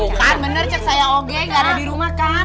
kan bener cek saya oke gak ada di rumah kan